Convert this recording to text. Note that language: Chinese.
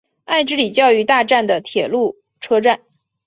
爱之里教育大站的铁路车站。